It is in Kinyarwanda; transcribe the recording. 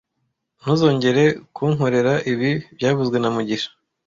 Ntuzongere kunkorera ibi byavuzwe na mugisha